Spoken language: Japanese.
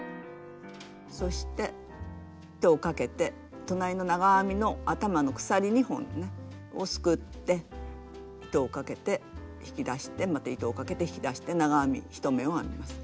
そして糸をかけて隣の長編みの頭の鎖２本をねすくって糸をかけて引き出してまた糸をかけて引き出して長編み１目を編みます。